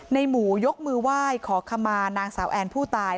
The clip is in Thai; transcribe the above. ในหมูยกมือไหว้ขอขมานางสาวแอนผู้ตาย